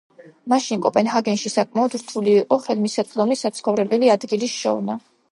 მაშინ კოპენჰაგენში საკმაოდ რთული იყო ხელმისაწვდომი საცხოვრებელი ადგილის შოვნა.